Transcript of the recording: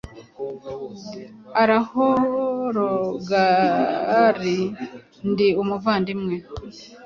UrahoHrothgarNdi umuvandimwe